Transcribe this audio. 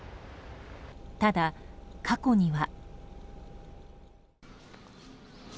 ただ、過去には。